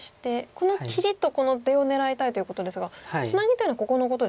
この切りとこの出を狙いたいということですがツナギというのはここのことですか？